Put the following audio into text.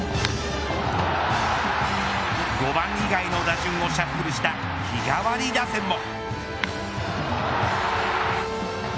５番以外の打順をシャッフルした日替わり打線も。